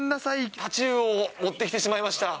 太刀魚を持ってきてしまいました。